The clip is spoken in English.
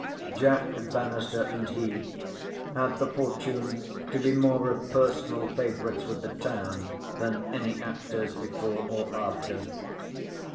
Jack Bannister and he had the fortune to be more of personal favourites with the town than any actors before or after.